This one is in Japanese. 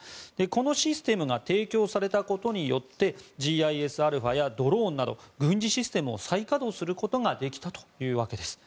このシステムが提供されたことによってＧＩＳＡｒｔａやドローンなど軍事システムを再稼働することができたというわけです。